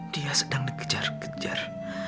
dia sedang dikejar kejar